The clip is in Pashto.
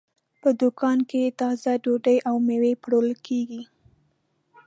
په دوکان کې تازه ډوډۍ او مېوې پلورل کېږي.